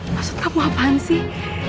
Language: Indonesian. maksud kamu apaan sih